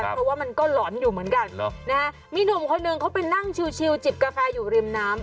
เพราะว่ามันก็หลอนอยู่เหมือนกันมีหนุ่มคนหนึ่งเขาไปนั่งชิวจิบกาแฟอยู่ริมน้ำ